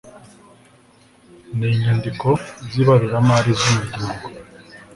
n inyandiko z ibaruramari z umuryango